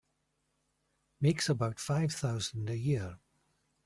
Makes about five thousand a year.